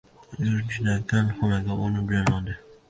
Yurchidagi kalxonaga olib jo‘nadi.